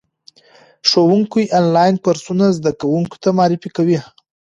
ښوونکي آنلاین کورسونه زده کوونکو ته معرفي کوي.